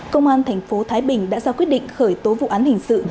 công an thành phố thái bình đã ra quyết định khởi tố vụ án hình sự